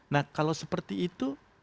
nah kalau seperti itu